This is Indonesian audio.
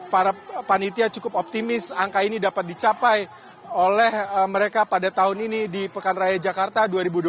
para panitia cukup optimis angka ini dapat dicapai oleh mereka pada tahun ini di pekan raya jakarta dua ribu dua puluh tiga